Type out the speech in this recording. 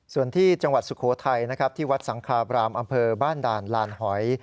ส่วนที่จังหวัดสุโขทัยนะครับที่วัดสังคาบรามอำเภอบ้านด่านลานหอย